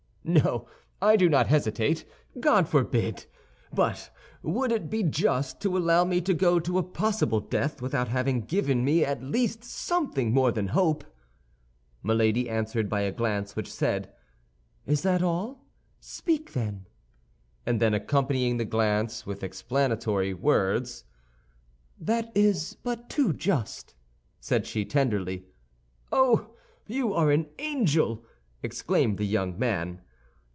"No, I do not hesitate; God forbid! But would it be just to allow me to go to a possible death without having given me at least something more than hope?" Milady answered by a glance which said, "Is that all?—speak, then." And then accompanying the glance with explanatory words, "That is but too just," said she, tenderly. "Oh, you are an angel!" exclaimed the young man.